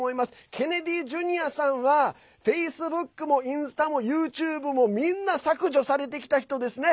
ケネディ・ジュニアさんはフェイスブックもインスタもＹｏｕＴｕｂｅもみんな削除されてきた人ですね。